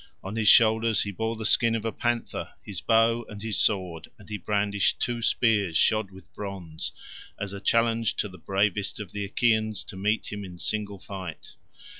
On his shoulders he bore the skin of a panther, his bow, and his sword, and he brandished two spears shod with bronze as a challenge to the bravest of the Achaeans to meet him in single fight.